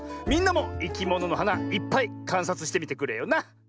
みんなもいきもののはないっぱいかんさつしてみてくれよな！